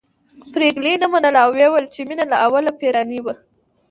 پري ګلې نه منله او ويل يې چې مينه له اوله پيريانۍ وه